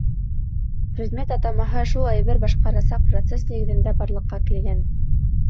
Предмет атамаһы шул әйбер башҡарасаҡ процесс нигеҙендә барлыҡҡа килгән.